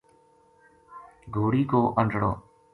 گھوڑی کو انٹڑو